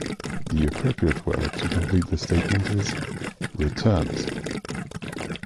The appropriate word to complete the statement is "returns".